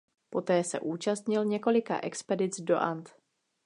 Poté se účastnil několika expedic do And.